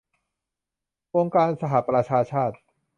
องค์การสหประชาชาติ